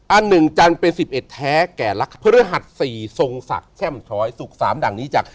อันหนึ่งจันทร์เป็น๑๑แท้แก่รักพฤหัส๔ทรงศักดิ์แช่มช้อยสุข๓ดังนี้จาก